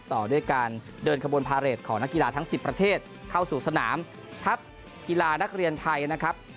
ต่อด้วยการเดินขบวนพาเรทของนักกีฬาทั้ง๑๐ประเทศเข้าสู่สนามทัพกีฬานักเรียนไทยนะครับ